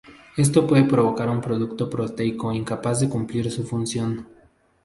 Esto puede provocar un producto proteico incapaz de cumplir su función.